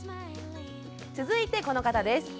続いてこの方です。